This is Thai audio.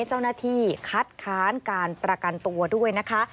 เจ้าหน้าที่คัดค้านการประกันตัวด้วยนะคะ